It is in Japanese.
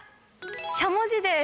しゃもじです。